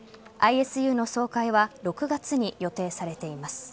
ＩＳＵの総会は６月に予定されています。